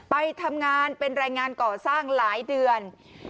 ไปทำงานเป็นแรงงานก่อสร้างหลายเดือน